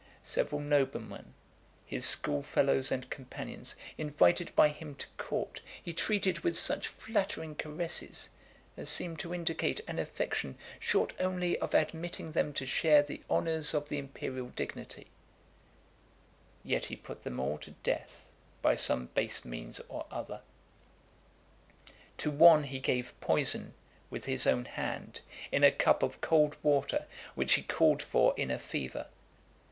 Several noblemen, his school fellows and companions, invited by him to court, he treated with such flattering caresses, as seemed to indicate an affection short only of admitting them to share the honours of the imperial dignity; yet he put them all to death by some base means or other. To one he gave poison with his own hand, in a cup of cold water which he called for in a fever.